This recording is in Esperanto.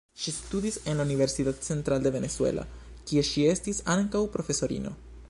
Ŝi studis en la Universidad Central de Venezuela, kie ŝi estis ankaŭ profesorino.